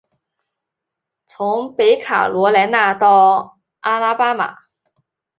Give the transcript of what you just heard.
从北卡罗来纳到阿拉巴马。